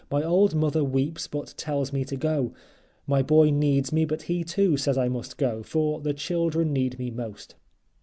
My old mother weeps but tells me to go. My boy needs me, but he, too, says I must go, for the children need me most."